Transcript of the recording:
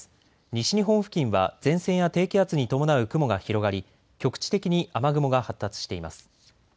西日本付近は前線や低気圧に伴う雲が広がり局地的に雨雲が発達しています。